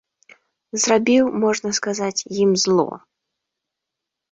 Зрабіў, можна сказаць, ім зло.